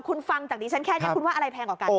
คุณฟังจากดิฉันแค่นี้คุณว่าอะไรแพงกว่ากัน